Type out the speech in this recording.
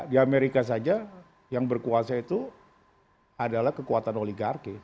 di amerika saja yang berkuasa itu adalah kekuatan oligarki